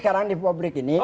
oke ini soal pemecatan ini